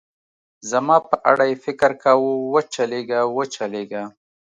زما په اړه یې فکر کاوه، و چلېږه، و چلېږه.